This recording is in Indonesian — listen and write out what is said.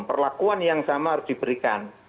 perlakuan yang sama harus diberikan